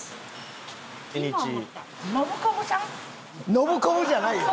ノブコブじゃないよ！